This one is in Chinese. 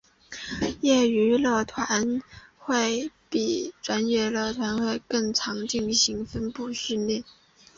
业余乐团会比专业乐团更常进行分部练习。